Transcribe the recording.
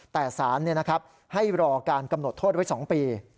แต่สารให้รอการกำหนดโทษไว้๒ปี